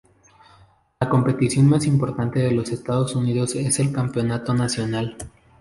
La competición más importante de los Estados Unidos es el Campeonato Nacional.